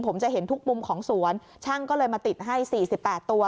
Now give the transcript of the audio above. ผมจะเห็นทุกมุมของสวนช่างก็เลยมาติดให้๔๘ตัว